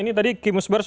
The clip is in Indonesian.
ini tadi kimus bar sudah